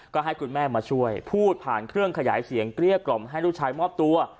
ก็ให้คุณแม่มาช่วยพูดผ่านเครื่องขยายเสียงเกลี้ยกล่อมให้ลูกชายมอบตัว